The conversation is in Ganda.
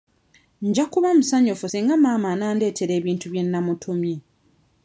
Nja kuba musanyufu singa maama anandeetera ebintu bye nnamutumye.